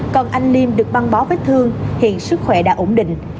còn anh liêm được băng bó vết thương hiện sức khỏe đã ổn định